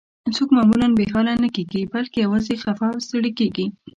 څوک معمولاً بې حاله نه کیږي، بلکې یوازې خفه او ستړي کیږي.